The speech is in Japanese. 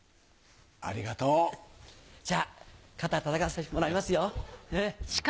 ありがとう。じゃあ肩たたかせてもらいますよ。